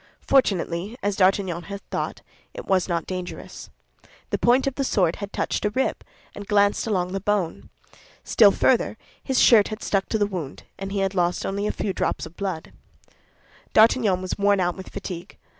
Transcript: Fortunately, as D'Artagnan had thought, it was not dangerous. The point of the sword had touched a rib, and glanced along the bone. Still further, his shirt had stuck to the wound, and he had lost only a few drops of blood. D'Artagnan was worn out with fatigue.